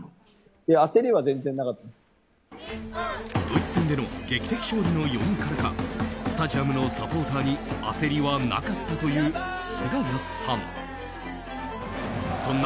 ドイツ戦での劇的勝利の余韻からかスタジアムのサポーターに焦りはなかったというすがやさん。